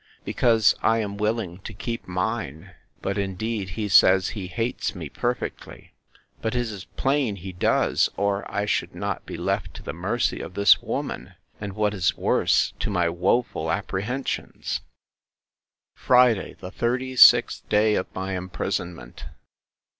Because I am willing to keep mine. But, indeed, he says, he hates me perfectly: But it is plain he does, or I should not be left to the mercy of this woman: and, what is worse, to my woful apprehensions. Friday, the 36th day of my imprisonment.